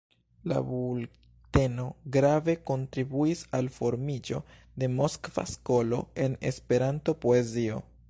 La bulteno grave kontribuis al formiĝo de Moskva skolo en Esperanto-poezio.